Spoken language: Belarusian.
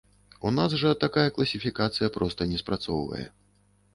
У нас жа такая класіфікацыя проста не спрацоўвае.